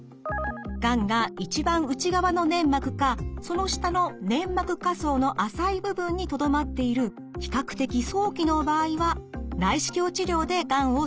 がんが一番内側の粘膜かその下の粘膜下層の浅い部分にとどまっている比較的早期の場合は内視鏡治療でがんを切除します。